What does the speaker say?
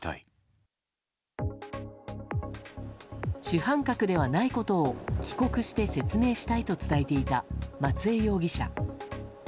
主犯格ではないことを帰国して説明したいと伝えていた松江容疑者。